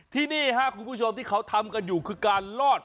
ที่นี่ครับคุณผู้ชมที่เขาทำกันอยู่คือการลอด